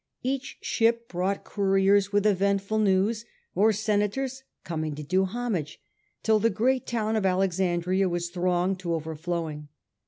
Each ship brought couriers with eventful news, or senators coming to do homage, till the great town of Alexandria was thronged to overflowing.